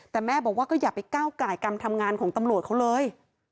แต่แม่บอกว่าก็อย่าไปก้าวไก่การทำงานของตำรวจเขาเลย